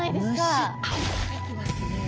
むしって食べてますね。